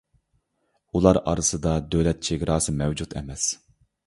ئۇلار ئارىسىدا دۆلەت چېگراسى مەۋجۇت ئەمەس.